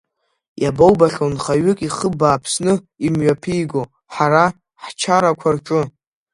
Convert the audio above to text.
Иабоубахьоу нхаҩык ихы бааԥсны имҩаԥиго ҳара ҳчарақәа рҿы.